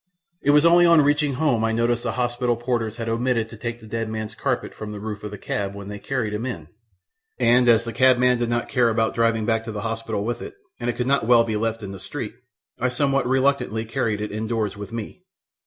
It was only on reaching home I noticed the hospital porters had omitted to take the dead man's carpet from the roof of the cab when they carried him in, and as the cabman did not care about driving back to the hospital with it, and it could not well be left in the street, I somewhat reluctantly carried it indoors with me.